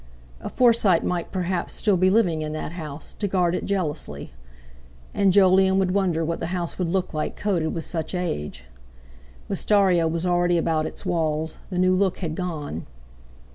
A Forsyte might perhaps still be living in that house, to guard it jealously. And Jolyon would wonder what the house would look like coated with such age. Wistaria was already about its walls—the new look had gone.